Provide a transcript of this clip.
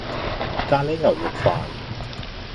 咖哩牛肉飯